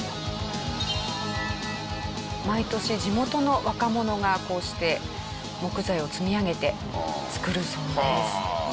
毎年地元の若者がこうして木材を積み上げて作るそうです。